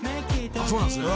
「そうなんですね。